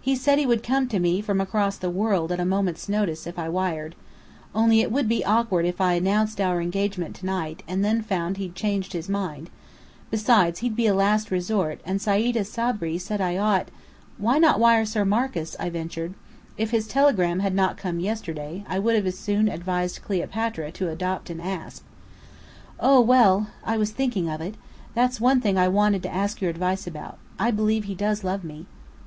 "He said he would come to me from across the world, at a moment's notice, if I wired. Only it would be awkward if I announced our engagement to night, and then found he'd changed his mind. Besides, he'd be a last resort: and Sayda Sabri said I ought " "Why not wire Sir Marcus?" I ventured. (If his telegram had not come yesterday, I would as soon have advised Cleopatra to adopt an asp.) "Oh! well I was thinking of it. That's one thing I wanted to ask your advice about. I believe he does love me."